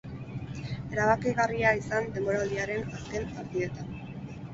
Erabakigarria izan denboraldiaren azken partidetan.